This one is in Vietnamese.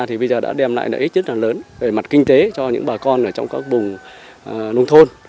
thì bây giờ đã đem lại lợi ích rất là lớn về mặt kinh tế cho những bà con ở trong các vùng nông thôn